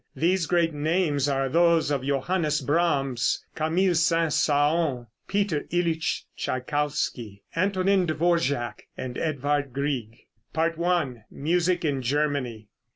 These great names are those of Johannes Brahms, Camille Saint Saëns, Peter Ilitsch Tschaikowsky, Antonin Dvorak and Edvard Grieg. I. MUSIC IN GERMANY.